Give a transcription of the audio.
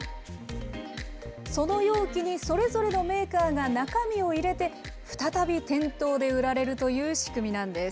その容器にそれぞれのメーカーが中身を入れて、再び店頭で売られるという仕組みなんです。